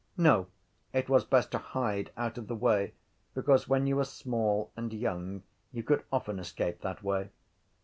No, it was best to hide out of the way because when you were small and young you could often escape that way.